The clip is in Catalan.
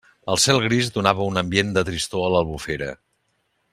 El cel gris donava un ambient de tristor a l'Albufera.